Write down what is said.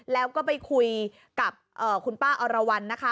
แล้วก็ไปคุยกับคุณป้าอรวรรณนะคะ